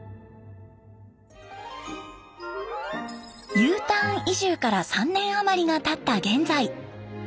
Ｕターン移住から３年あまりがたった現在。